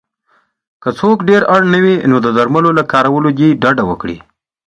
که څوک ډېر اړ نه وی نو د درملو له کارولو دې ډډه وکړی